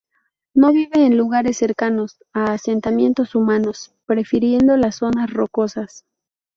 No vive en lugares cercanos a asentamientos humanos, prefiriendo las zonas rocosas.